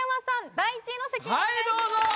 第１位の席へお願いします。